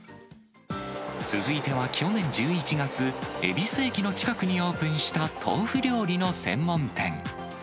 続いては、去年１１月、恵比寿駅の近くにオープンした豆腐料理の専門店。